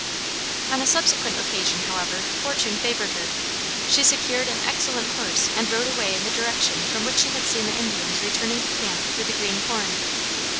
On a subsequent occasion, however, fortune favored her. She secured an excellent horse and rode away in the direction from which she had seen the Indians returning to camp with the green corn.